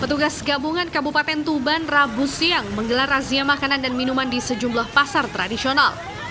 petugas gabungan kabupaten tuban rabu siang menggelar razia makanan dan minuman di sejumlah pasar tradisional